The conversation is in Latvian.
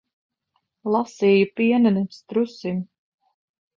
Lasīju pienenes trusim.